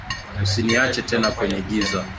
Usiniache tena kwenye giza.